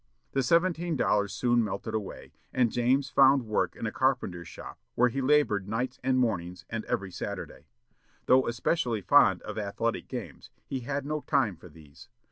The seventeen dollars soon melted away, and James found work in a carpenter's shop, where he labored nights and mornings, and every Saturday. Though especially fond of athletic games, he had no time for these.